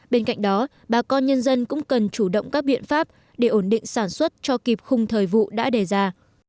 bên cạnh đó bà con nhân dân cũng cần chủ động các biện pháp để ổn định sản xuất cho kịp khung thời vụ đã đề ra